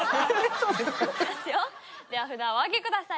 では札をおあげください